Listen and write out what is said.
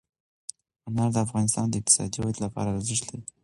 انار د افغانستان د اقتصادي ودې لپاره ارزښت لري.